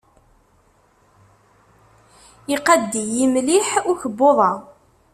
Iqadd-iyi mliḥ ukebbuḍ-a.